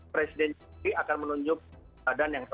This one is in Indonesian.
presiden juga akan menunjukkan keadaan yang tepat